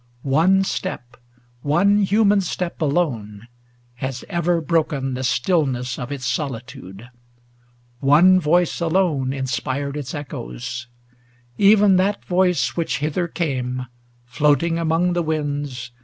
One step, One human step alone, has ever broken The stillness of its solitude ; one voice 590 Alone inspired its echoes ; ŌĆö even that voice Which hither came, floating among the winds.